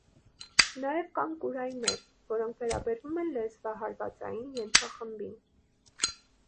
Նաև կան կուրայներ, որոնք վերաբերում են լեզվահարվածային ենթախմբին։